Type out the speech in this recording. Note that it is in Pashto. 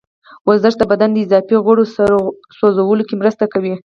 ورزش د بدن د اضافي غوړو سوځولو کې مرسته کوي.